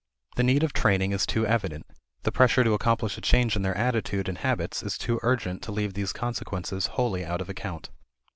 The need of training is too evident; the pressure to accomplish a change in their attitude and habits is too urgent to leave these consequences wholly out of account.